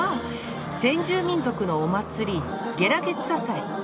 先住民族のお祭りゲラゲッツァ祭。